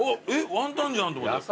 ワンタンじゃんと思って。